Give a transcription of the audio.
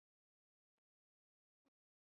Astrologia eta astronomia landuko dituzte, batik bat.